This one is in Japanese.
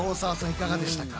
いかがでしたか？